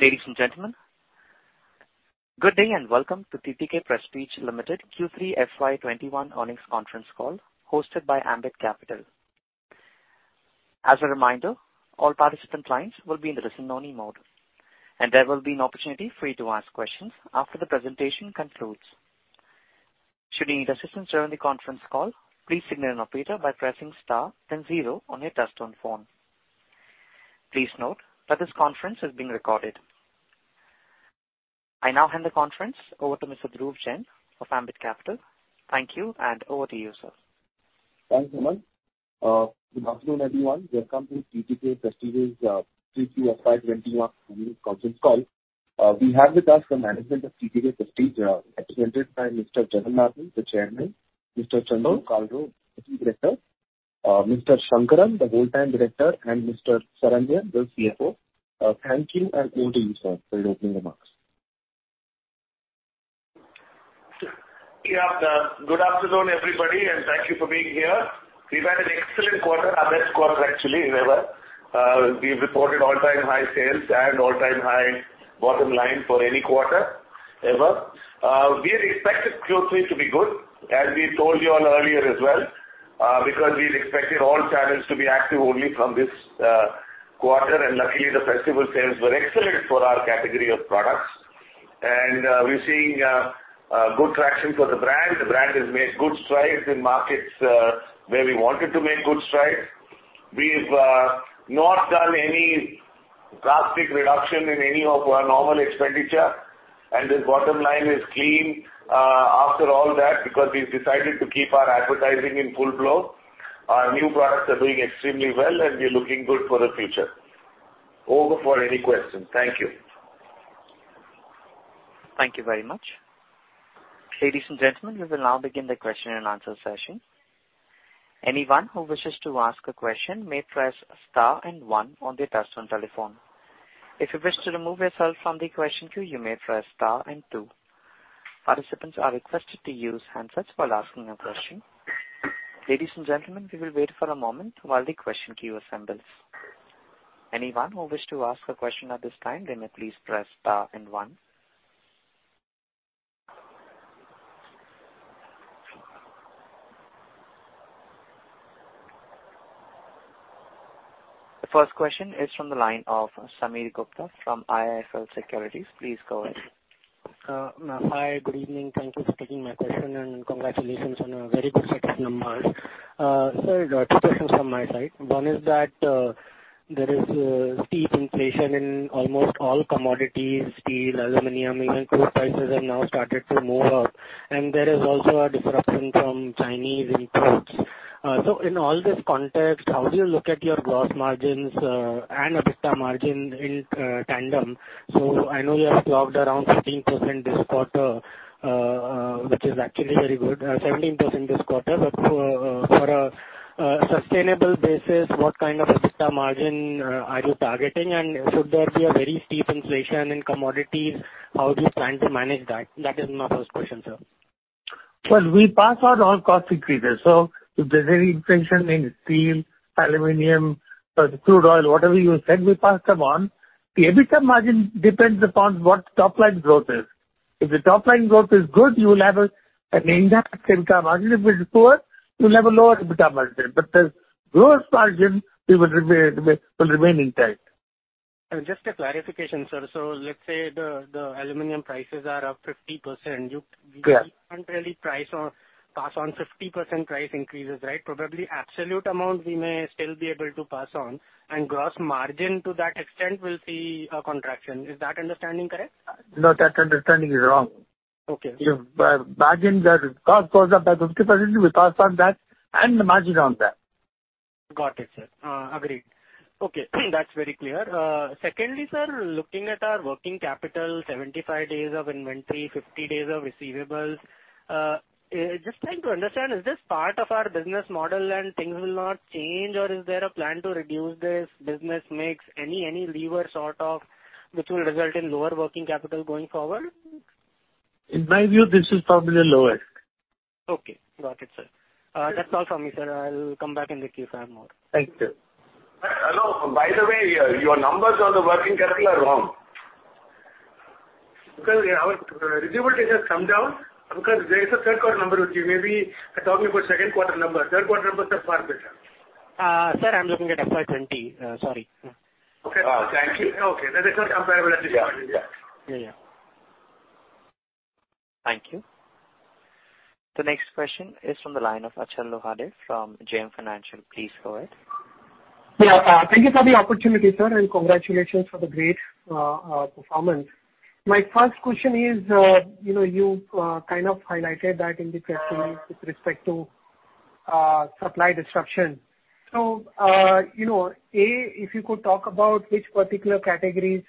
Ladies and gentlemen, good day, and welcome to TTK Prestige Limited Q3 FY 2021 earnings conference call, hosted by Ambit Capital. As a reminder, all participant lines will be in the listen only mode, and there will be an opportunity for you to ask questions after the presentation concludes. Should you need assistance during the conference call, please signal an operator by pressing star then zero on your touchtone phone. Please note that this conference is being recorded. I now hand the conference over to Mr. Dhruv Jain of Ambit Capital. Thank you, and over to you, sir. Thanks, Herman. Good afternoon, everyone. Welcome to TTK Prestige Q3 FY 2021 conference call. We have with us the management of TTK Prestige, represented by Mr. Jagannathan, the chairman; Mr. Chandru Kalro, director; Mr. Shankaran, the whole-time director; and Mr. Saranyan, the CFO. Thank you, and over to you, sir, for your opening remarks. Yeah, good afternoon, everybody, and thank you for being here. We've had an excellent quarter, our best quarter actually, ever. We've reported all-time high sales and all-time high bottom line for any quarter ever. We had expected Q3 to be good, as we told you all earlier as well, because we expected all channels to be active only from this quarter. And luckily, the festival sales were excellent for our category of products. And, we're seeing good traction for the brand. The brand has made good strides in markets where we wanted to make good strides. We've not done any drastic reduction in any of our normal expenditure, and this bottom line is clean after all that, because we've decided to keep our advertising in full blow. Our new products are doing extremely well, and we're looking good for the future. Open for any questions. Thank you. Thank you very much. Ladies and gentlemen, we will now begin the question and answer session. Anyone who wishes to ask a question may press star and one on their touchtone telephone. If you wish to remove yourself from the question queue, you may press star and two. Participants are requested to use handsets while asking a question. Ladies and gentlemen, we will wait for a moment while the question queue assembles. Anyone who wish to ask a question at this time, then please press star and one. The first question is from the line of Sameer Gupta from IIFL Securities. Please go ahead. Hi, good evening. Thank you for taking my question, and congratulations on a very good set of numbers. So I got two questions from my side. One is that there is steep inflation in almost all commodities, steel, aluminum, even coal prices have now started to move up, and there is also a disruption from Chinese imports. So in all this context, how do you look at your gross margins and EBITDA margin in tandem? So I know you have logged around 15% this quarter, which is actually very good, 17% this quarter. But for a sustainable basis, what kind of EBITDA margin are you targeting? And should there be a very steep inflation in commodities, how do you plan to manage that? That is my first question, sir. Well, we pass on all cost increases, so if there's any inflation in steel, aluminum, crude oil, whatever you said, we pass them on. The EBITDA margin depends upon what top line growth is. If the top line growth is good, you will have an impact in margin. If it's poor, you'll have a lower EBITDA margin, but the gross margin we will remain intact. Just a clarification, sir. So let's say the aluminum prices are up 50%- Yeah. You can't really price or pass on 50% price increases, right? Probably absolute amount we may still be able to pass on, and gross margin to that extent will see a contraction. Is that understanding correct? No, that understanding is wrong. Okay. If margin that cost goes up by 50%, we pass on that and the margin on that. Got it, sir. Agreed. Okay, that's very clear. Secondly, sir, looking at our working capital, 75 days of inventory, 50 days of receivables, just trying to understand, is this part of our business model and things will not change, or is there a plan to reduce this business mix? Any levers sort of, which will result in lower working capital going forward? In my view, this is probably lower. Okay, got it, sir. That's all for me, sir. I'll come back in the queue if I have more. Thank you, sir. Hello. By the way, your numbers on the working capital are wrong. Because our receivables has come down, because there is a third quarter number with you. Maybe you're talking about second quarter number. Third quarter numbers are far better. Sir, I'm looking at FY 2020. Sorry. Okay. Thank you. Okay, then they're not comparable at this point. Yeah. Yeah. Yeah, yeah. Thank you. The next question is from the line of Achal Lohade from JM Financial. Please go ahead. Yeah, thank you for the opportunity, sir, and congratulations for the great performance. My first question is, you know, you kind of highlighted that in the press release with respect to supply disruption. So, you know, A, if you could talk about which particular categories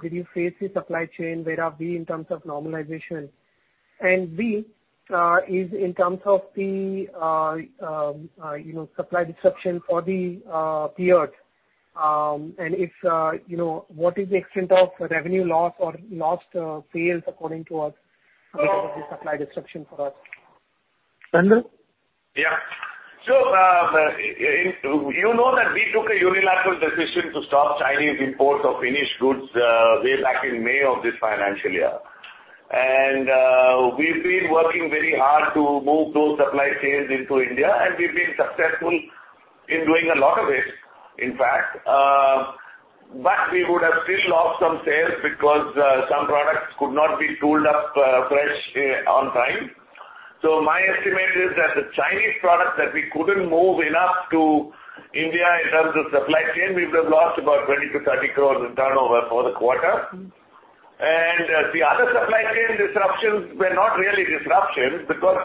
did you face the supply chain where are B in terms of normalization? And, B, is in terms of the supply disruption for the period, and if you know what is the extent of revenue loss or lost sales according to us, because of the supply disruption for us?... Chandru? Yeah. So, you know that we took a unilateral decision to stop Chinese imports of finished goods, way back in May of this financial year. And, we've been working very hard to move those supply chains into India, and we've been successful in doing a lot of it, in fact. But we would have still lost some sales because, some products could not be tooled up, fresh, on time. So my estimate is that the Chinese products that we couldn't move enough to India in terms of supply chain, we would have lost about 20-30 crores in turnover for the quarter. And, the other supply chain disruptions were not really disruptions because,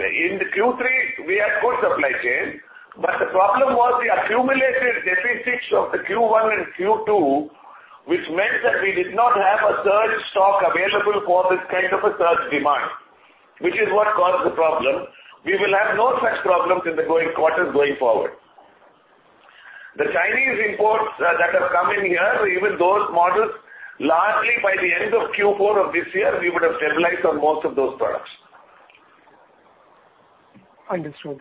in the Q3, we had good supply chain. But the problem was the accumulated deficits of the Q1 and Q2, which meant that we did not have a surge stock available for this kind of a surge demand, which is what caused the problem. We will have no such problems in the going quarters going forward. The Chinese imports that have come in here, even those models, largely by the end of Q4 of this year, we would have stabilized on most of those products. Understood.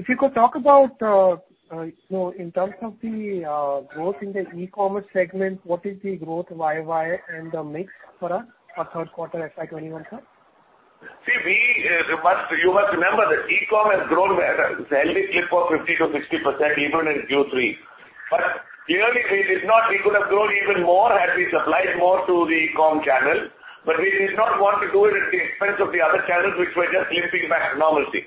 If you could talk about, you know, in terms of the growth in the e-commerce segment, what is the growth Y-o-Y and the mix for us for third quarter FY 2021, sir? See, you must remember that e-com has grown well. It's healthy clip of 50%-60%, even in Q3. But clearly, it is not. We could have grown even more had we supplied more to the e-com channel, but we did not want to do it at the expense of the other channels, which were just limping back to normalcy.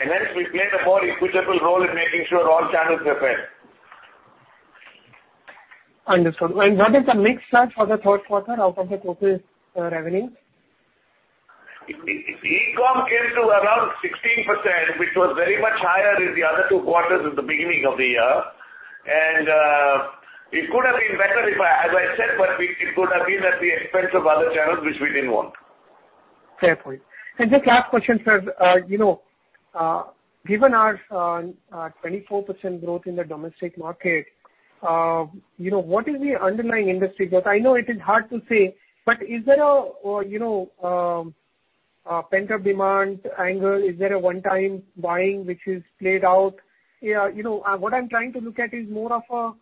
And hence, we played a more equitable role in making sure all channels were fair. Understood. And what is the mix chart for the third quarter out of the total, revenue? E-com came to around 16%, which was very much higher than the other two quarters at the beginning of the year. And it could have been better if I... As I said, but we- it could have been at the expense of other channels, which we didn't want. Fair point. And just last question, sir. You know, given our 24% growth in the domestic market, you know, what is the underlying industry? Because I know it is hard to say, but is there a you know, a pent-up demand angle? Is there a one-time buying, which is played out? Yeah, you know, what I'm trying to look at is more of a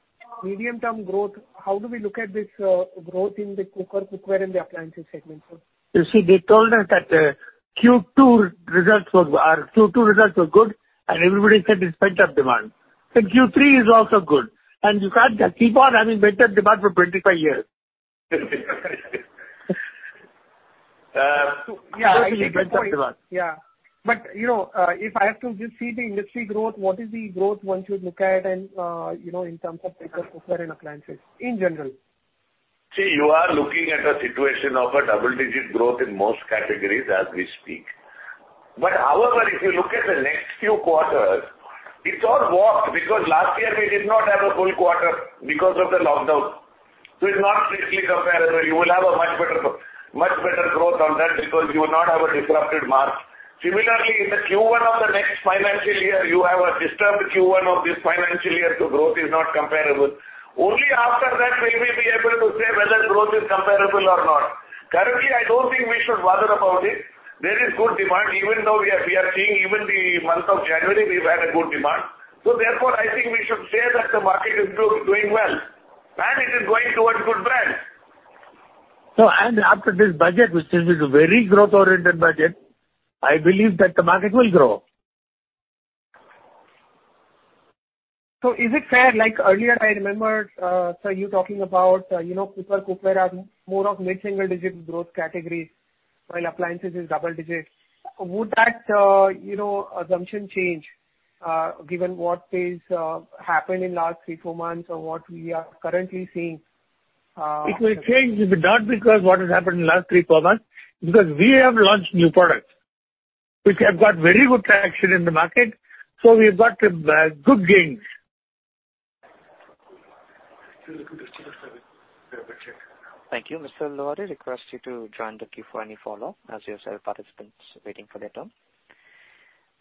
medium-term growth. How do we look at this growth in the cooker, cookware, and the appliances segment, sir? You see, they told us that Q2 results were good, and everybody said it's pent-up demand. Q3 is also good, and you can't just keep on having pent-up demand for 25 years. Yeah, I think pent-up demand. Yeah. But, you know, if I have to just see the industry growth, what is the growth one should look at and, you know, in terms of cooker, cookware, and appliances in general? See, you are looking at a situation of a double-digit growth in most categories as we speak. But however, if you look at the next few quarters, it's all warped because last year we did not have a full quarter because of the lockdown. So it's not strictly comparable. You will have a much better growth on that because you will not have a disrupted March. Similarly, in the Q1 of the next financial year, you have a disturbed Q1 of this financial year, so growth is not comparable. Only after that will we be able to say whether growth is comparable or not. Currently, I don't think we should bother about it. There is good demand, even though we are, we are seeing even the month of January, we've had a good demand. So therefore, I think we should say that the market is doing well, and it is going towards good brands. After this budget, which is a very growth-oriented budget, I believe that the market will grow. So is it fair, like earlier, I remember, sir, you talking about, you know, cooker, cookware are more of mid-single digit growth categories, while appliances is double digits. Would that, you know, assumption change, given what is, happened in last three, four months or what we are currently seeing? It will change, if not because what has happened in the last three, four months, because we have launched new products, which have got very good traction in the market, so we've got good gains. Thank you, Mr. Lohade. I request you to join the queue for any follow-up, as there are several participants waiting for their turn.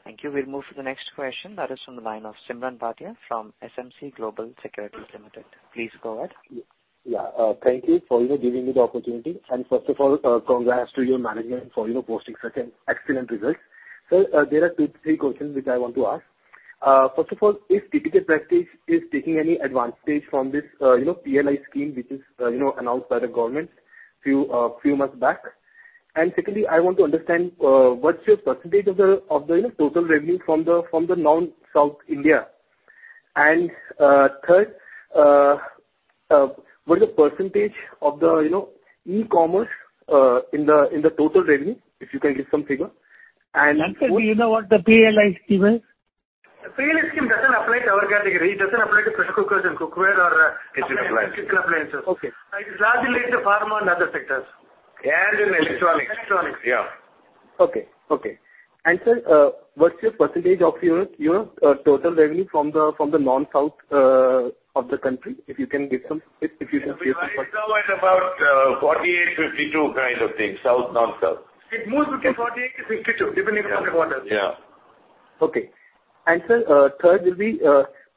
Thank you. We'll move to the next question. That is from the line of Simran Bhatia from SMC Global Securities Limited. Please go ahead. Yeah, thank you for, you know, giving me the opportunity. And first of all, congrats to your management for, you know, posting such an excellent result. So, there are two, three questions which I want to ask. First of all, is TTK Prestige is taking any advantage from this, you know, PLI scheme, which is, you know, announced by the government few months back? And secondly, I want to understand, what's your percentage of the, of the, you know, total revenue from the, from the non-South India. And, third, what is the percentage of the, you know, e-commerce, in the, in the total revenue? If you can give some figure. And- Sir, do you know what the PLI Scheme is? PLI Scheme doesn't apply to our category. It doesn't apply to pressure cookers and cookware or, It applies. Kitchen appliances. Okay. It is largely related to pharma and other sectors. In electronics. Electronics. Yeah. Okay, okay. Sir, what's your percentage of your total revenue from the non-South of the country? If you can give some- It's somewhere about 48-52 kind of thing, South, non-South. It moves between 48-52, depending on the quarters. Yeah.... Okay. And sir, third will be,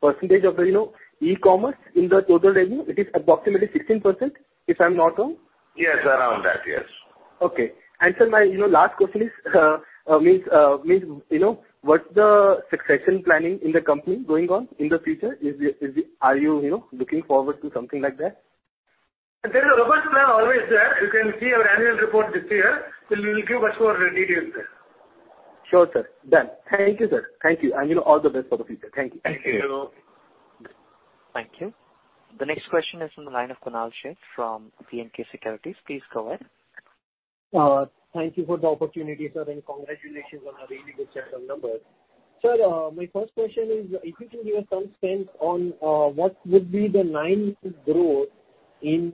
percentage of the, you know, e-commerce in the total revenue. It is approximately 16%, if I'm not wrong? Yes, around that. Yes. Okay. And sir, my, you know, last question is, I mean, I mean, you know, what's the succession planning in the company going on in the future? Are you, you know, looking forward to something like that? There's a robust plan always there. You can see our annual report this year. We will give much more details there. Sure, sir. Done. Thank you, sir. Thank you, and, you know, all the best for the future. Thank you. Thank you. Thank you. The next question is from the line of Kunal Sheth from B&K Securities. Please go ahead. Thank you for the opportunity, sir, and congratulations on a really good set of numbers. Sir, my first question is, if you can give us some sense on what would be the nine months growth in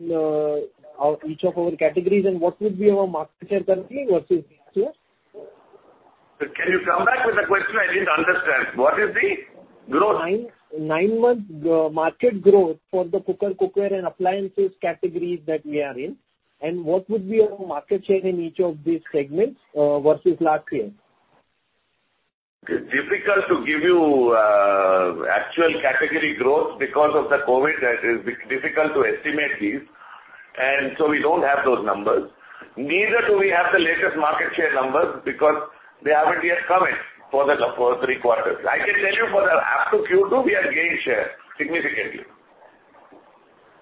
each of our categories, and what would be our market share currently versus last year? Can you come back with the question? I didn't understand. What is the growth? 9-month market growth for the cooker, cookware, and appliances categories that we are in, and what would be our market share in each of these segments versus last year? It's difficult to give you actual category growth because of the COVID. That is difficult to estimate these, and so we don't have those numbers. Neither do we have the latest market share numbers because they haven't yet come in for three quarters. I can tell you for the half of Q2, we have gained share significantly.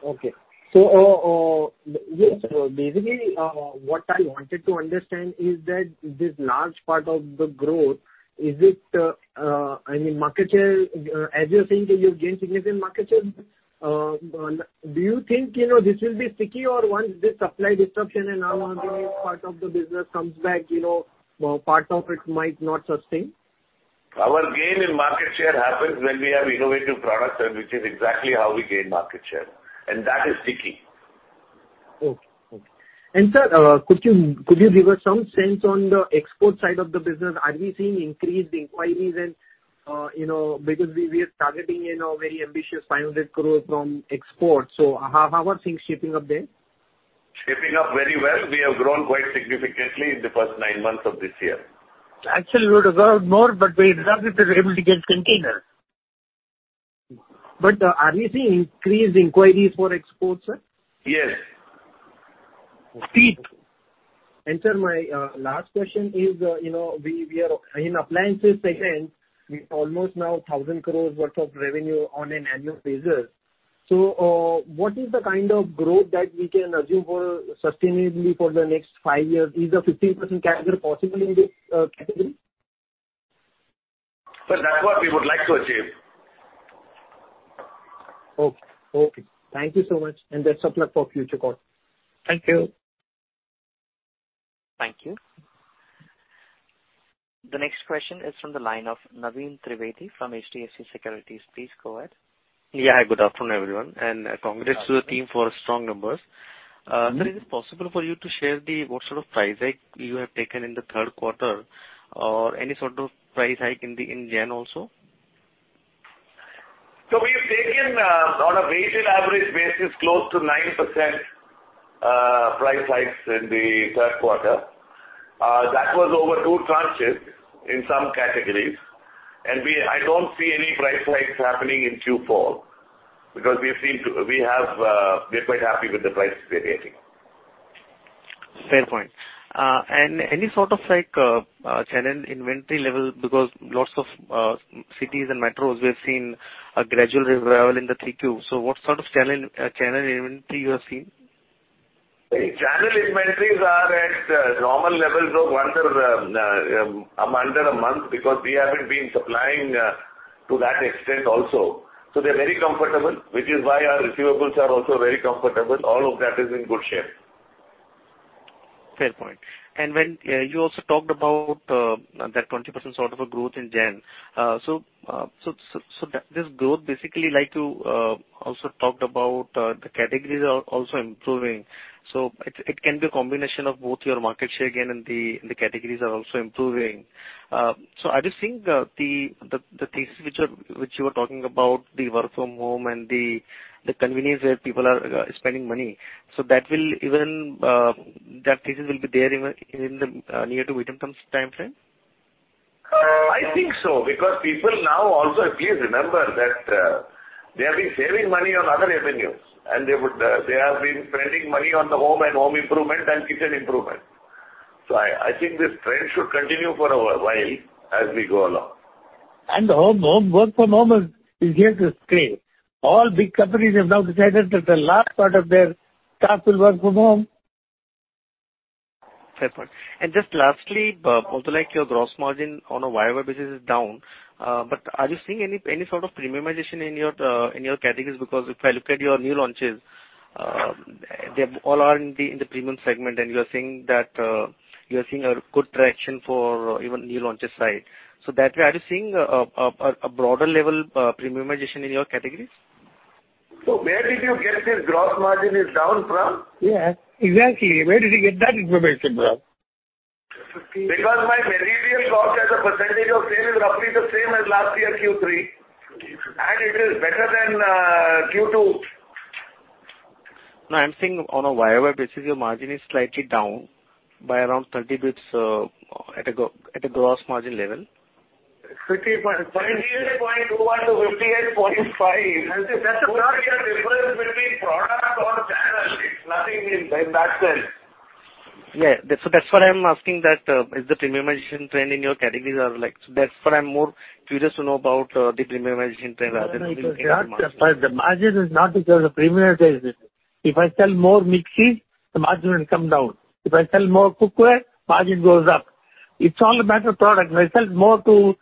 Okay. So, yes, basically, what I wanted to understand is that this large part of the growth, is it, I mean, market share, as you're saying, you've gained significant market share. But do you think, you know, this will be sticky or once this supply disruption and now part of the business comes back, you know, part of it might not sustain? Our gain in market share happens when we have innovative products, and which is exactly how we gain market share, and that is sticky. Okay. Okay. And, sir, could you give us some sense on the export side of the business? Are we seeing increased inquiries and, you know, because we are targeting a very ambitious 500 crore from exports. So how are things shaping up there? Shaping up very well. We have grown quite significantly in the first nine months of this year. Actually, we would have grown more, but we doubt if we're able to get container. Are we seeing increased inquiries for exports, sir? Yes. Okay. And, sir, my last question is, you know, we are in appliances segment, we almost now 1,000 crore worth of revenue on an annual basis. So, what is the kind of growth that we can assume for sustainably for the next five years? Is a 15% category possible in this category? Well, that's what we would like to achieve. Okay. Okay. Thank you so much, and best of luck for future quarter. Thank you. Thank you. The next question is from the line of Naveen Trivedi from HDFC Securities. Please go ahead. Yeah, good afternoon, everyone, and congrats to the team for strong numbers. Sir, is it possible for you to share the what sort of price hike you have taken in the third quarter or any sort of price hike in the, in Jan also? So we have taken, on a weighted average basis, close to 9% price hikes in the third quarter. That was over two tranches in some categories, and I don't see any price hikes happening in Q4 because we are quite happy with the prices we are getting. Fair point. And any sort of like channel inventory level, because lots of cities and metros, we have seen a gradual revival in the 3Q. So what sort of channel inventory you have seen? Channel inventories are at normal levels of under a month, because we haven't been supplying to that extent also. So they're very comfortable, which is why our receivables are also very comfortable. All of that is in good shape. Fair point. And when you also talked about that 20% sort of a growth in January. So this growth basically like you also talked about the categories are also improving. So it can be a combination of both your market share gain and the categories are also improving. So are you seeing the things which you were talking about, the work from home and the convenience where people are spending money? So that will even that thesis will be there even in the near to medium-term timeframe? I think so, because people now also, please remember that, they have been saving money on other avenues, and they would, they have been spending money on the home and home improvement and kitchen improvement. So I, I think this trend should continue for a while as we go along. The work from home is here to stay. All big companies have now decided that the large part of their staff will work from home. Fair point. And just lastly, also like your gross margin on a YOY basis is down, but are you seeing any sort of premiumization in your categories? Because if I look at your new launches, they all are in the premium segment, and you are saying that you are seeing good traction for even new launches side. So that way, are you seeing a broader level premiumization in your categories? So, where did you get this gross margin is down from? Yeah, exactly. Where did you get that information from? Because my material cost as a percentage of sale is roughly the same as last year, Q3, and it is better than Q2.... I'm saying on a YOY basis, your margin is slightly down by around 30 basis points, at a go, at a gross margin level. 50 point, 48.21-58.5. That's a difference between product or channel. It's nothing in by itself. Yeah, that's, so that's what I'm asking, that, is the premiumization trend in your categories are like-- So that's what I'm more curious to know about, the premiumization trend rather than- No, no, the margin is not because of premiumization. If I sell more mixies, the margin will come down. If I sell more cookware, margin goes up. It's all a matter of product. If I sell more to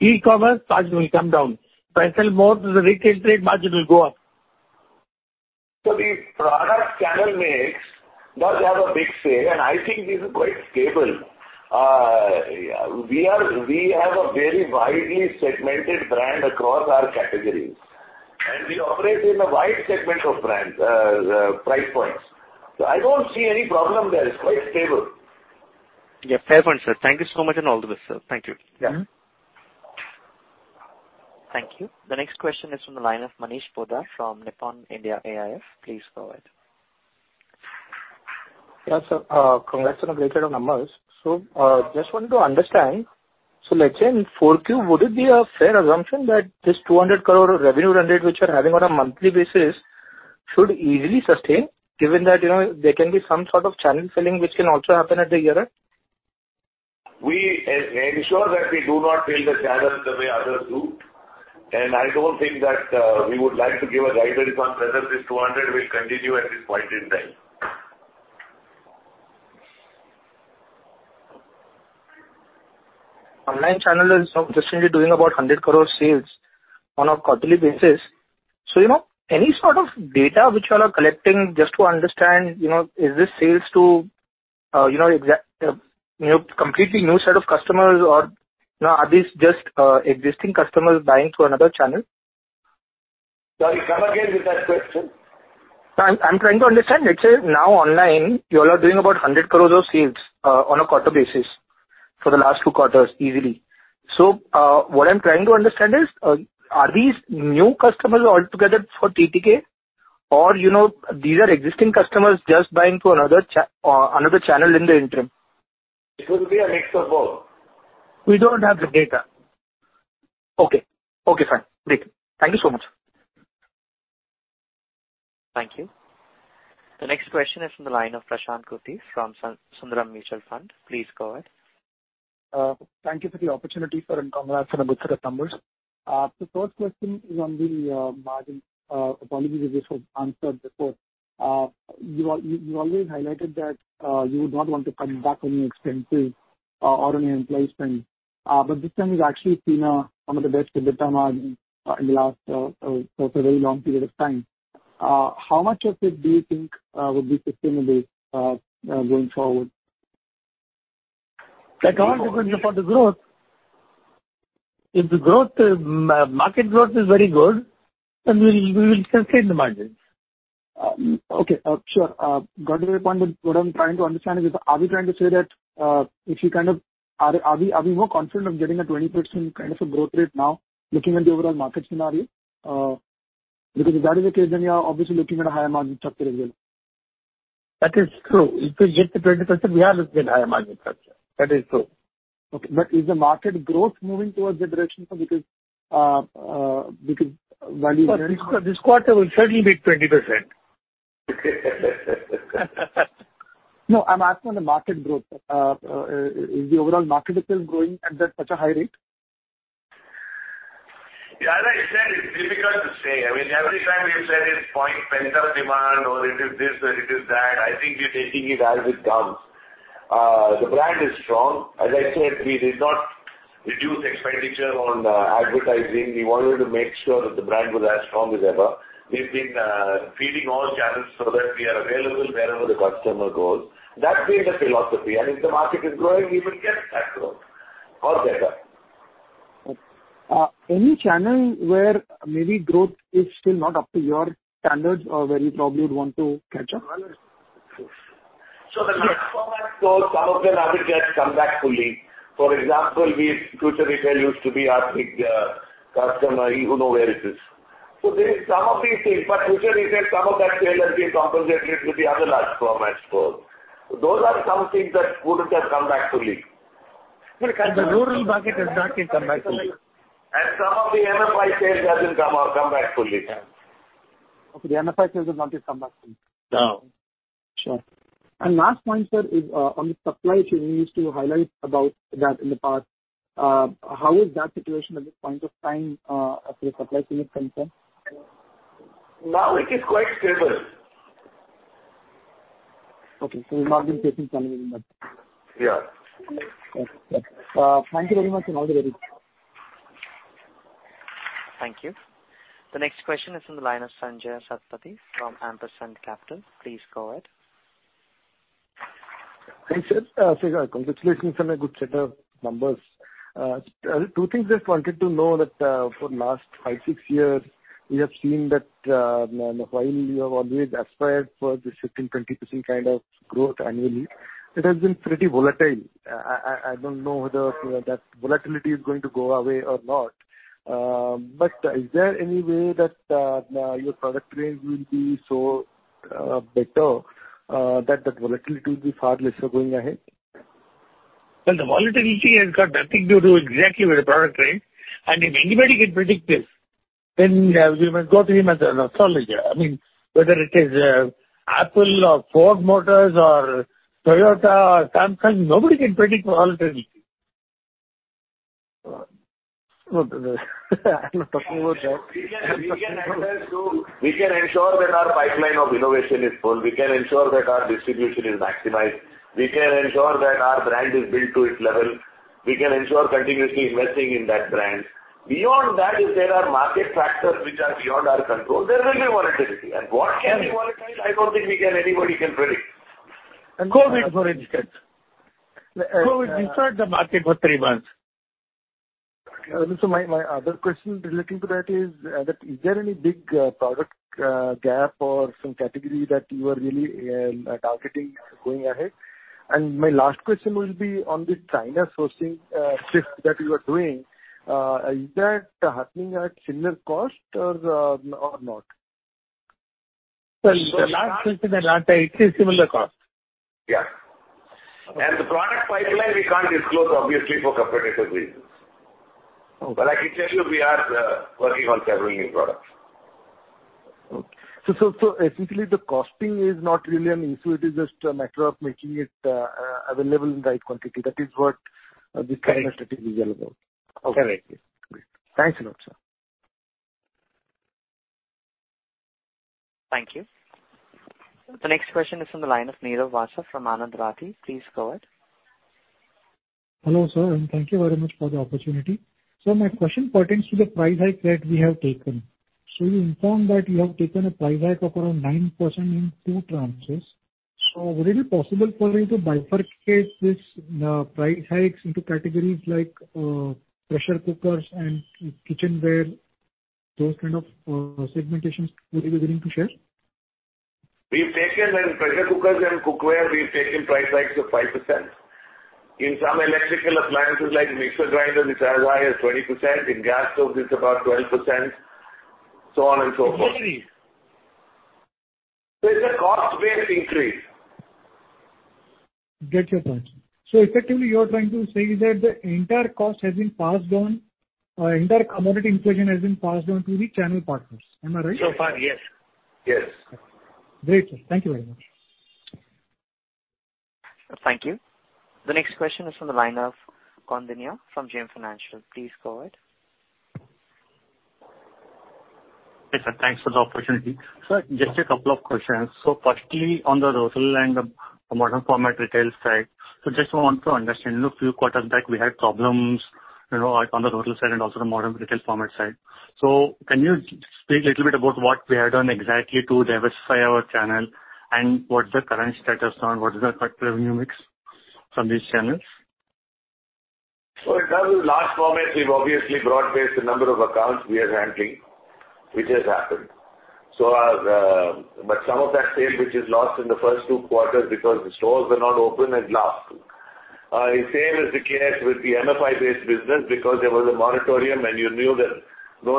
e-commerce, margin will come down. If I sell more to the retail trade, margin will go up. So the product channel mix does have a big say, and I think this is quite stable. Yeah, we are, we have a very widely segmented brand across our categories, and we operate in a wide segment of brands, price points. So I don't see any problem there. It's quite stable. Yeah, fair point, sir. Thank you so much and all the best, sir. Thank you. Yeah. Thank you. The next question is from the line of Manish Poddar from Nippon India AIF. Please go ahead. Yeah, sir, congrats on a great set of numbers. So, just wanted to understand, so let's say in Q4, would it be a fair assumption that this 200 crore revenue run rate, which you're having on a monthly basis, should easily sustain, given that, you know, there can be some sort of channel filling which can also happen at the year end? We ensure that we do not fill the channels the way others do. I don't think that we would like to give a guidance on whether this 200 will continue at this point in time. Online channel is consistently doing about 100 crore sales on a quarterly basis. So, you know, any sort of data which you all are collecting just to understand, you know, is this sales to, you know, exact, you know, completely new set of customers, or, you know, are these just, existing customers buying through another channel? Sorry, come again with that question. No, I'm trying to understand. Let's say now online, you all are doing about 100 crore of sales on a quarter basis for the last two quarters, easily. So, what I'm trying to understand is, are these new customers altogether for TTK, or you know, these are existing customers just buying through another channel in the interim? It will be a mix of both. We don't have the data. Okay. Okay, fine. Great. Thank you so much. Thank you. The next question is from the line of Prashant Kutty from Sundaram Mutual Fund. Please go ahead. Thank you for the opportunity, sir, and congrats on a good set of numbers. The first question is on the margin. Apologies if this was answered before. You always highlighted that you would not want to cut back on your expenses or on your employee spend. But this time we've actually seen some of the best EBITDA margin in the last for a very long period of time. How much of it do you think would be sustainable going forward? That all depends upon the growth. If the growth, market growth is very good, then we will, we will sustain the margin. Okay, sure. Got your point, but what I'm trying to understand is, are we trying to say that... are we more confident of getting a 20% kind of a growth rate now, looking at the overall market scenario? Because if that is the case, then you are obviously looking at a higher margin structure as well. That is true. If we get the 20%, we are looking at higher margin structure. That is true. Okay. But is the market growth moving towards that direction, sir? Because value- This quarter will certainly be 20%. No, I'm asking on the market growth. Is the overall market still growing at that such a high rate? Yeah, as I said, it's difficult to say. I mean, every time we've said it's pent-up demand or it is this or it is that, I think we're taking it as it comes. The brand is strong. As I said, we did not reduce expenditure on advertising. We wanted to make sure that the brand was as strong as ever. We've been feeding all channels so that we are available wherever the customer goes. That's been the philosophy, and if the market is growing, we will get that growth or better. Okay. Any channel where maybe growth is still not up to your standards or where you probably would want to catch up? So the last format, so some of them haven't yet come back fully. For example, Future Retail used to be our big customer, you know where it is. So there is some of these things, but Future Retail, some of that sale has been compensated with the other large format stores. Those are some things that wouldn't have come back fully. The rural market has not yet come back fully. Some of the MFI sales hasn't come back fully. Okay, the MFI sales has not yet come back fully. No. Sure. And last point, sir, is on the supply chain. You used to highlight about that in the past. How is that situation at this point of time, as far as supply chain is concerned? Now it is quite stable. Okay, so you're not facing anything in that? Yeah. Okay. Thank you very much, and all the best. Thank you. The next question is from the line of Sanjaya Satapathy from Ampersand Capital. Please go ahead. Hi, sir. So congratulations on a good set of numbers. Two things just wanted to know that, for the last five, six years, we have seen that, while you have always aspired for this 15, 20% kind of growth annually, it has been pretty volatile. I don't know whether that volatility is going to go away or not. But is there any way that your product range will be so better that the volatility will be far lesser going ahead?... Well, the volatility has got nothing to do exactly with the product range, and if anybody can predict this, then, we will go to him as an astrologer. I mean, whether it is, Apple or Ford Motors or Toyota or Samsung, nobody can predict volatility. I'm not talking about that. We can ensure that our pipeline of innovation is full. We can ensure that our distribution is maximized. We can ensure that our brand is built to its level. We can ensure continuously investing in that brand. Beyond that, if there are market factors which are beyond our control, there will be volatility. And what can be volatile, I don't think we can anybody can predict. COVID, for instance. COVID destroyed the market for three months. So my, my other question relating to that is, that is there any big, product, gap or some category that you are really, targeting going ahead? And my last question will be on the China sourcing, shift that you are doing. Is that happening at similar cost or, or not? Well, the last question I answered, it is similar cost. Yeah. The product pipeline, we can't disclose, obviously, for competitive reasons. Okay. But I can tell you we are working on several new products. Okay. So essentially, the costing is not really an issue. It is just a matter of making it available in the right quantity. That is what this kind of strategy is all about. Correct. Thanks a lot, sir. Thank you. The next question is from the line of Nirav Vasa from Anand Rathi. Please go ahead. Hello, sir, and thank you very much for the opportunity. My question pertains to the price hike that we have taken. You informed that you have taken a price hike of around 9% in two tranches. Would it be possible for you to bifurcate this price hikes into categories like pressure cookers and kitchenware, those kind of segmentations? Would you be willing to share? We've taken in pressure cookers and cookware, we've taken price hikes of 5%. In some electrical appliances, like mixer grinder, it's as high as 20%, in gas stoves, it's about 12%, so on and so forth. Varies. It's a cost-based increase. Get your point. So effectively, you are trying to say that the entire cost has been passed on, or entire commodity inflation has been passed on to the channel partners. Am I right? So far, yes. Yes. Great, sir. Thank you very much. Thank you. The next question is from the line of Koundinya from JM Financial. Please go ahead. Hey, sir, thanks for the opportunity. Sir, just a couple of questions. So firstly, on the rural and the modern format retail side, so just want to understand, you know, few quarters back, we had problems, you know, on the rural side and also the modern retail format side. So can you speak a little bit about what we have done exactly to diversify our channel, and what's the current status on what is the current revenue mix from these channels? So in terms of large format, we've obviously broad-based the number of accounts we are handling, which has happened. So as, but some of that sales, which is lost in the first two quarters because the stores were not open, is lost. The same is the case with the MFI-based business, because there was a moratorium, and you know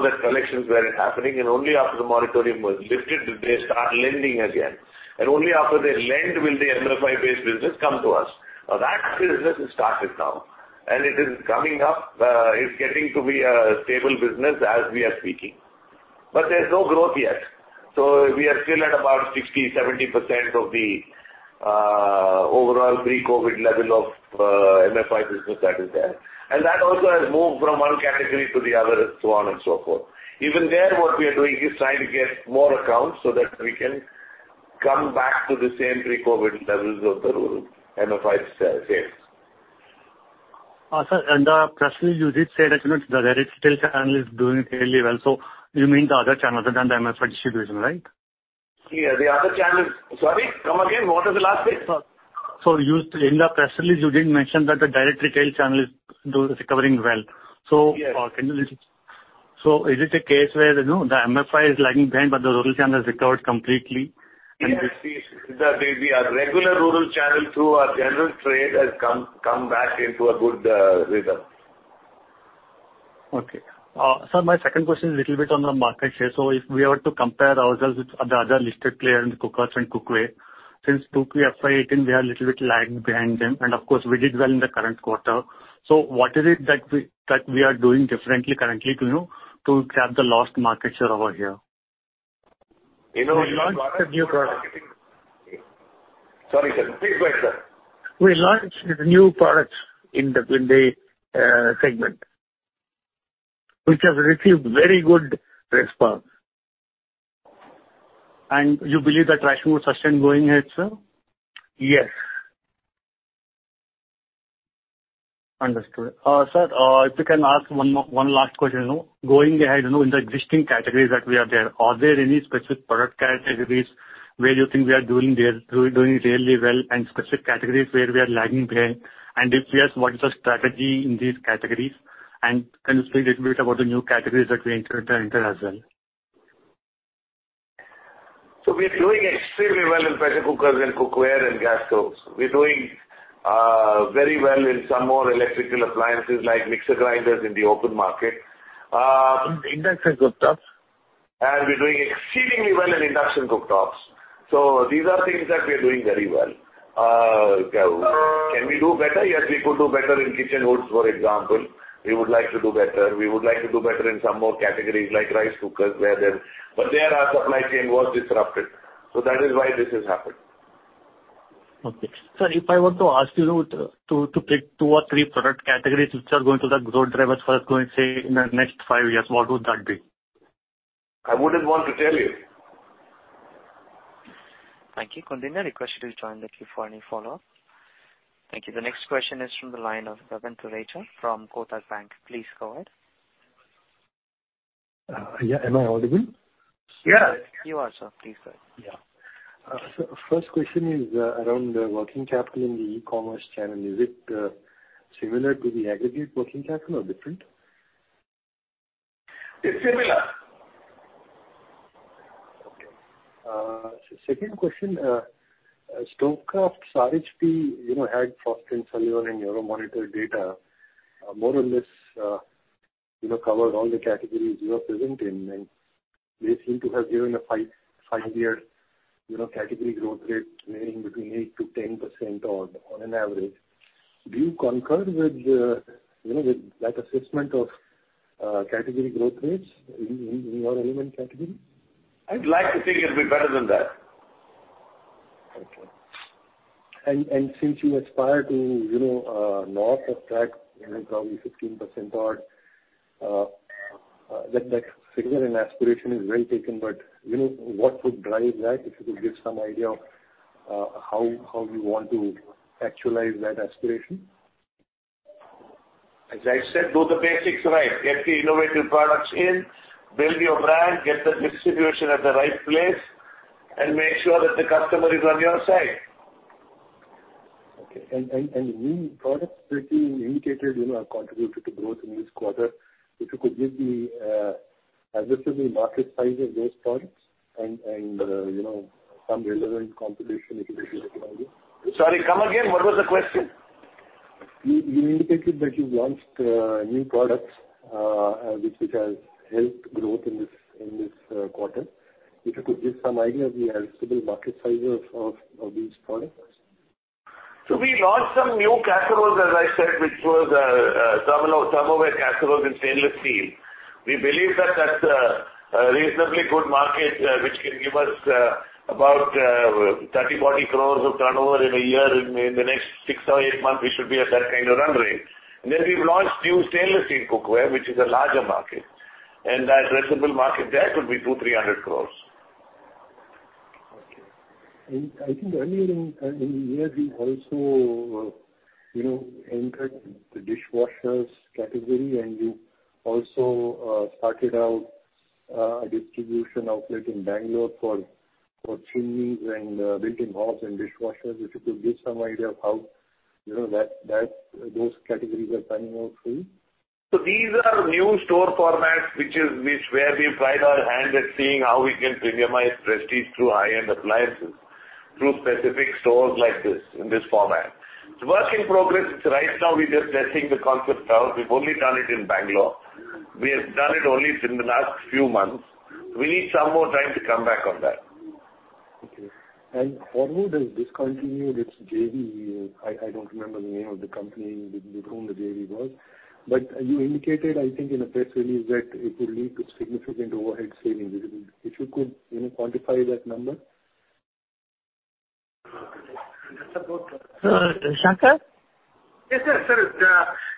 that collections weren't happening, and only after the moratorium was lifted did they start lending again. And only after they lend will the MFI-based business come to us. Now, that business has started now, and it is coming up. It's getting to be a stable business as we are speaking. But there's no growth yet, so we are still at about 60%-70% of the overall pre-COVID level of MFI business that is there. That also has moved from one category to the other and so on and so forth. Even there, what we are doing is trying to get more accounts so that we can come back to the same pre-COVID levels of the rural MFI sales. Sir, personally, you did say that, you know, the direct retail channel is doing really well. So you mean the other channels than the MFI distribution, right? Yeah, the other channels. Sorry, come again, what was the last bit? In the press release, you did mention that the direct retail channel is recovering well. Yes. Can you listen? So is it a case where, you know, the MFI is lagging behind, but the rural channel has recovered completely? Yes, our regular rural channel through our general trade has come back into a good rhythm. Okay. Sir, my second question is a little bit on the market share. So if we were to compare ourselves with the other listed player in the cookers and cookware, since FY18, we are a little bit lagging behind them, and of course, we did well in the current quarter. So what is it that we, that we are doing differently currently to, you know, to grab the lost market share over here? We launched a new product. Sorry, sir. Please go ahead, sir. We launched new products in the segment, which have received very good response. You believe that trend will sustain going ahead, sir? Yes. Understood. Sir, if you can ask one more, one last question, you know. Going ahead, you know, in the existing categories that we have there, are there any specific product categories where you think we are doing really well and specific categories where we are lagging behind? And if yes, what is the strategy in these categories, and can you speak a little bit about the new categories that we enter as well? So we are doing extremely well in pressure cookers and cookware and gas stoves. We're doing very well in some more electrical appliances, like mixer grinders in the open market. Induction cooktops?... and we're doing exceedingly well in induction cooktops. So these are things that we are doing very well. Can we do better? Yes, we could do better in kitchen hoods, for example. We would like to do better. We would like to do better in some more categories, like rice cookers, where there. But there, our supply chain was disrupted, so that is why this has happened. Okay. Sir, if I were to ask you to pick two or three product categories which are going to be the growth drivers for us, going, say, in the next five years, what would that be? I wouldn't want to tell you. Thank you. Koundinya, I request you to join the queue for any follow-up. Thank you. The next question is from the line of Jatin Damania from Kotak Bank. Please go ahead. Yeah. Am I audible? Yeah. You are, sir. Please go ahead. Yeah. So first question is around the working capital in the e-commerce channel. Is it similar to the aggregate working capital or different? It's similar. Okay. Second question, Stove Kraft's RHP, you know, had Frost & Sullivan and Euromonitor data, more or less, you know, covers all the categories you are present in, and they seem to have given a 5-year, you know, category growth rate ranging between 8%-10% on an average. Do you concur with, you know, with that assessment of category growth rates in your relevant category? I'd like to think it'd be better than that. Okay. And since you aspire to, you know, north of that, you know, probably 15% odd, that figure and aspiration is well taken, but, you know, what would drive that? If you could give some idea of, how you want to actualize that aspiration. As I said, do the basics right. Get the innovative products in, build your brand, get the distribution at the right place, and make sure that the customer is on your side. Okay. And new products, pretty indicated, you know, are contributed to growth in this quarter. If you could give the addressable market size of those products and you know, some relevant competition, if you could share with us. Sorry, come again. What was the question? You indicated that you've launched new products, which has helped growth in this quarter. If you could give some idea of the addressable market size of these products. So we launched some new casseroles, as I said, which was thermal, thermoware casseroles in stainless steel. We believe that that's a reasonably good market, which can give us about 30-40 crores of turnover in a year. In the next six or eight months, we should be at that kind of run rate. And then we've launched new stainless steel cookware, which is a larger market, and that addressable market there could be 200-300 crores. Okay. And I think earlier in, in the year, you also, you know, entered the dishwashers category, and you also, started out, a distribution outlet in Bengaluru for, for chimneys and, built-in hobs and dishwashers. If you could give some idea of how, you know, that, that, those categories are panning out for you. So these are new store formats which is where we've tried our hand at seeing how we can premiumize Prestige through high-end appliances, through specific stores like this, in this format. It's work in progress. Right now, we're just testing the concept out. We've only done it in Bangalore. We have done it only in the last few months. We need some more time to come back on that. Okay. And Horwood has discontinued its JV. I, I don't remember the name of the company with whom the JV was, but you indicated, I think in a press release, that it will lead to significant overhead savings. If you could, you know, quantify that number? Uh, Shankar? Yes, sir. Sir,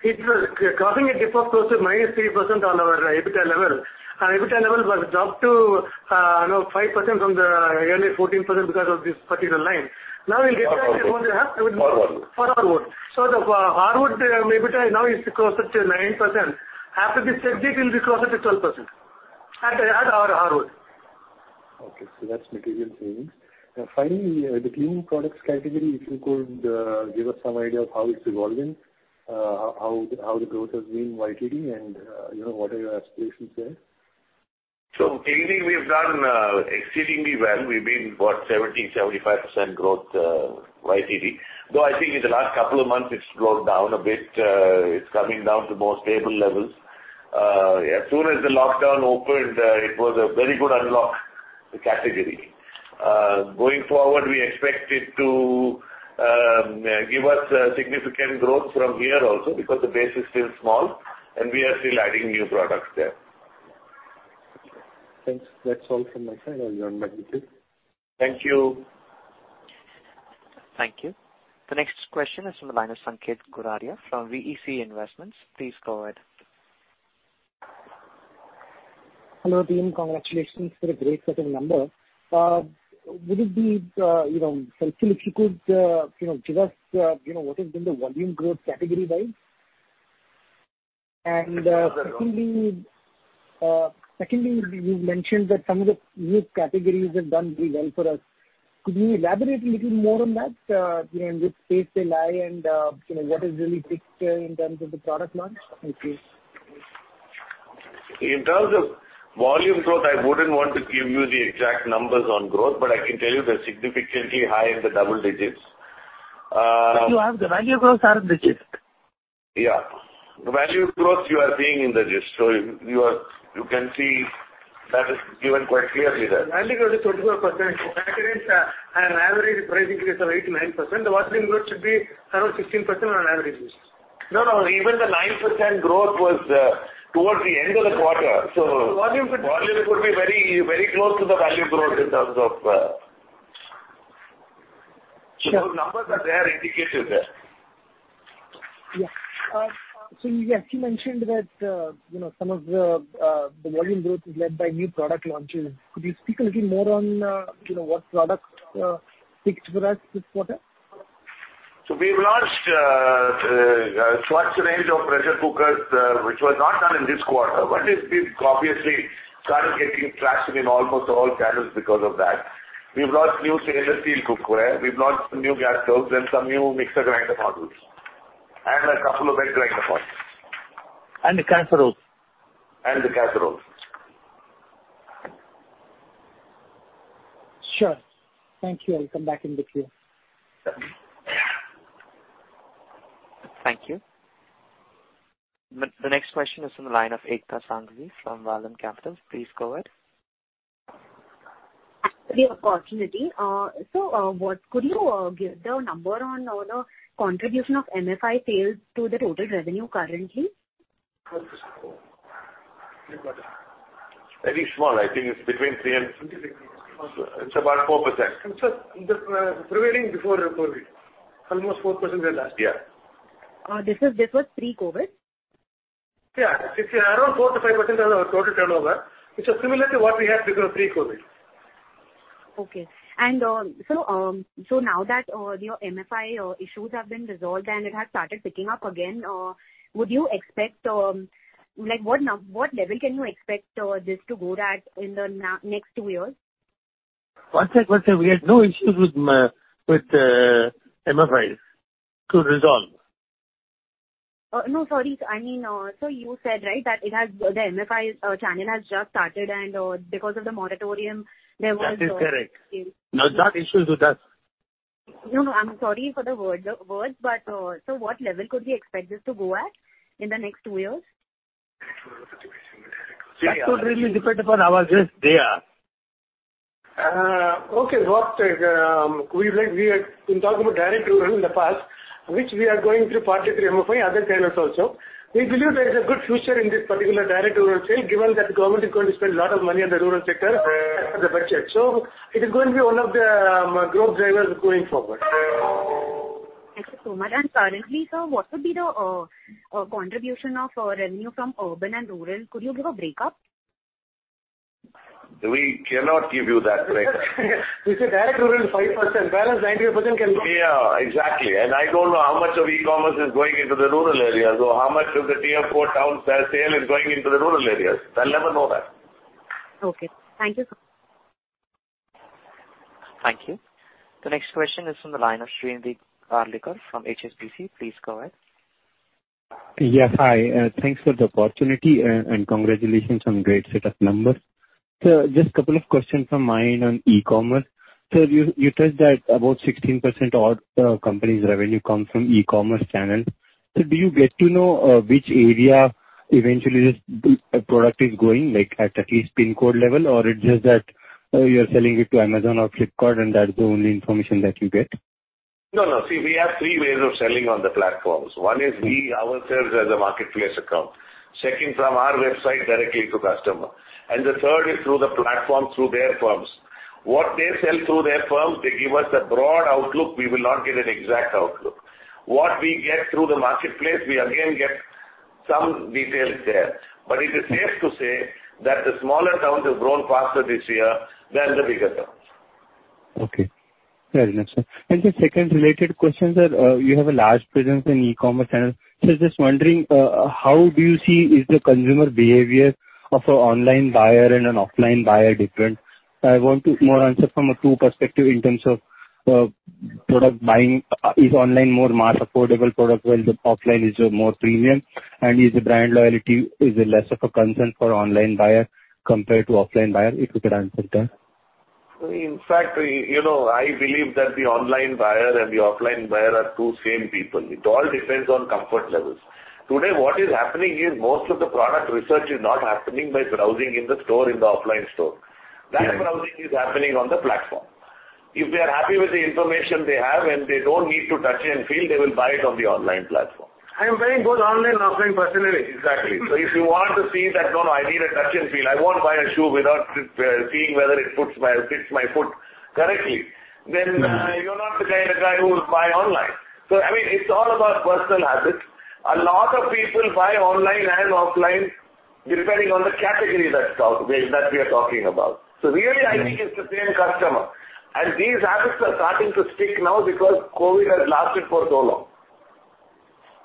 it was causing a dip of close to -3% on our EBITDA level. Our EBITDA level was dropped to, you know, 5% from the earlier 14% because of this particular line. Now we'll get back the amount we have- Horwood. Horwood. So the Horwood EBITDA now is close to 9%. After this segment, it will be close to 12% at, at our Horwood. Okay, so that's material savings. Finally, the cleaning products category, if you could give us some idea of how it's evolving, how the growth has been YTD and, you know, what are your aspirations there? So cleaning, we've done exceedingly well. We've been about 70%-75% growth YTD, though I think in the last couple of months, it's slowed down a bit. It's coming down to more stable levels. As soon as the lockdown opened, it was a very good unlock the category. Going forward, we expect it to give us significant growth from here also, because the base is still small and we are still adding new products there. Thanks. That's all from my side. Over to you, Mr. Shankaran. Thank you. Thank you. The next question is from the line of Sanket Goradia from VEC Investments. Please go ahead. Hello, team. Congratulations for the great set of numbers. Would it be, you know, helpful if you could, you know, give us, you know, what has been the volume growth category-wise? And- Yes. Secondly, you've mentioned that some of the new categories have done really well for us. Could you elaborate a little more on that, you know, in which space they lie and, you know, what is really fixed, in terms of the product launch? Thank you. In terms of volume growth, I wouldn't want to give you the exact numbers on growth, but I can tell you they're significantly high in the double digits. You have the value growth are in digits?... Yeah. The value growth you are seeing in the list. So you are, you can see that is given quite clearly there. Value growth is 24%, and on average, the price increase of 8%-9%, the volume growth should be around 16% on average. No, no. Even the 9% growth was towards the end of the quarter. So volume- Volume could be very, very close to the value growth in terms of. So numbers are there indicative there. Yeah. So you actually mentioned that, you know, some of the volume growth is led by new product launches. Could you speak a little more on, you know, what products picked for us this quarter? So we've launched a wide range of pressure cookers, which was not done in this quarter, but it's been obviously started getting traction in almost all channels because of that. We've launched new stainless steel cookware, we've launched some new gas stoves and some new mixer grinder models, and a couple of wet grinder models. And the casseroles. And the casseroles. Sure. Thank you. I'll come back in the queue. Thank you. The next question is from the line of Ekta Sanghvi from Vallum Capital. Please go ahead. Thank you for the opportunity. So, what could you give the number on a contribution of MFI sales to the total revenue currently? Very small. I think it's between 3 and- it's about 4%. Sir, the prevailing before COVID, almost 4% were last year. This is, this was pre-COVID? Yeah. It's around 4%-5% of our total turnover, which is similar to what we had before, pre-COVID. Okay. So now that your MFI issues have been resolved and it has started picking up again, would you expect, like, what level can you expect this to go at in the now next two years? One second, one second. We had no issues with MFIs to resolve. No, sorry. I mean, so you said, right, that it has, the MFI channel has just started and, because of the moratorium, there was- That is correct. No, it's not issues with us. No, no, I'm sorry for the words, but so what level could we expect this to go at in the next two years? That would really depend upon our sales there. Okay, what we like, we have been talking about direct rural in the past, which we are going through partly through MFI, other channels also. We believe there is a good future in this particular direct rural sale, given that the government is going to spend a lot of money on the rural sector for the budget. So it is going to be one of the growth drivers going forward. Thank you so much. Currently, sir, what would be the contribution of revenue from urban and rural? Could you give a break-up? We cannot give you that breakup. We say direct rural is 5%, balance 95% can- Yeah, exactly. And I don't know how much of e-commerce is going into the rural area, so how much of the tier four town sale is going into the rural areas. I'll never know that. Okay. Thank you, sir. Thank you. The next question is from the line of Shrinidhi Karlekar from HSBC. Please go ahead. Yes, hi, thanks for the opportunity and, and congratulations on great set of numbers. So just couple of questions from my end on e-commerce. So you, you touched that about 16% of the company's revenue comes from e-commerce channels. So do you get to know, which area eventually this, product is going, like, at at least pin code level? Or it's just that, you're selling it to Amazon or Flipkart, and that's the only information that you get? No, no. See, we have three ways of selling on the platforms. One is we ourselves as a marketplace account, second, from our website directly to customer, and the third is through the platform, through their firms. What they sell through their firms, they give us a broad outlook, we will not get an exact outlook. What we get through the marketplace, we again get some details there. But it is safe to say that the smaller towns have grown faster this year than the bigger towns. Okay. Very nice, sir. And the second related question is, you have a large presence in E-commerce channels. So I'm just wondering, how do you see is the consumer behavior of an online buyer and an offline buyer different? I want to more answer from a two perspective in terms of, product buying. Is online more mass affordable product, while the offline is, more premium? And is the brand loyalty is less of a concern for online buyer compared to offline buyer? If you could answer that. In fact, you know, I believe that the online buyer and the offline buyer are two same people. It all depends on comfort levels. Today, what is happening is most of the product research is not happening by browsing in the store, in the offline store. Yeah. That browsing is happening on the platform. If they are happy with the information they have and they don't need to touch and feel, they will buy it on the online platform. I am buying both online and offline personally. Exactly. So if you want to see that, "No, no, I need a touch and feel. I won't buy a shoe without seeing whether it fits my, fits my foot correctly," then you're not the kind of guy who will buy online. So I mean, it's all about personal habits. A lot of people buy online and offline, depending on the category that we are talking about. So really, I think it's the same customer. And these habits are starting to stick now because COVID has lasted for so long.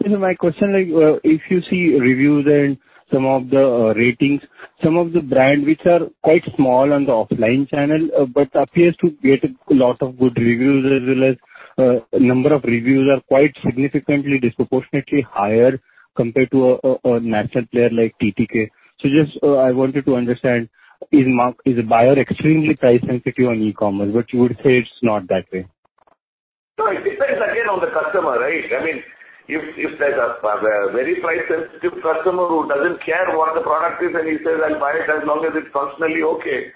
So my question, like, if you see reviews and some of the ratings, some of the brands which are quite small on the offline channel, but appears to get a lot of good reviews, as well as number of reviews are quite significantly disproportionately higher compared to a national player like TTK. So just, I wanted to understand, is the market, is the buyer extremely price sensitive on e-commerce? But you would say it's not that way. No, it depends again on the customer, right? I mean, if there's a very price sensitive customer who doesn't care what the product is, and he says, "I'll buy it as long as it's personally okay,"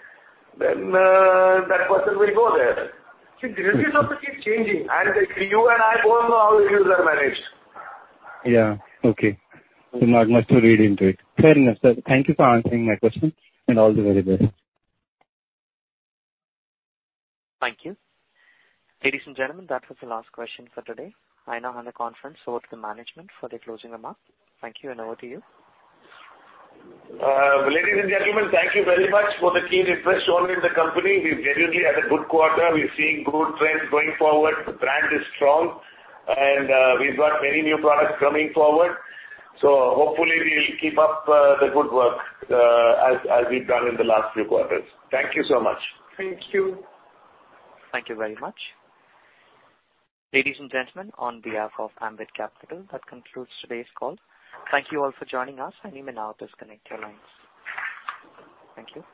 then that person will go there. See, the reviews also keep changing, and you and I both know how reviews are managed. Yeah. Okay. So not much to read into it. Fair enough, sir. Thank you for answering my question, and all the very best. Thank you. Ladies and gentlemen, that was the last question for today. I now hand the conference over to the management for the closing remarks. Thank you, and over to you. Ladies and gentlemen, thank you very much for the keen interest shown in the company. We've genuinely had a good quarter. We're seeing good trends going forward. The brand is strong, and we've got many new products coming forward. So hopefully we'll keep up the good work as we've done in the last few quarters. Thank you so much. Thank you. Thank you very much. Ladies and gentlemen, on behalf of Ambit Capital, that concludes today's call. Thank you all for joining us, and you may now disconnect your lines. Thank you.